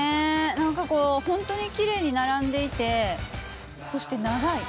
なんかこう本当にきれいに並んでいてそして長い。